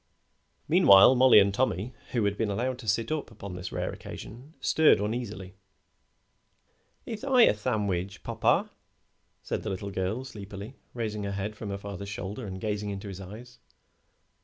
Meanwhile Mollie and Tommy, who had been allowed to sit up upon this rare occasion, stirred uneasily. "Ith I a thandwich, popper?" said the little girl, sleepily, raising her head from her father's shoulder and gazing into his eyes.